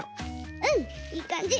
うんいいかんじ！